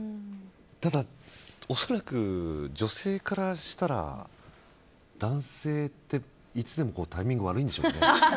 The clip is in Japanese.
ただ、恐らく女性からしたら男性っていつでもタイミング悪いんでしょうね。